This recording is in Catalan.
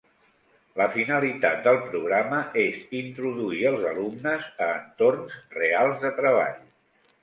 La finalitat del programa és introduir els alumnes a entorns reals de treball.